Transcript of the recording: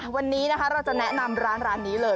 วันนี้นะคะเราจะแนะนำร้านนี้เลย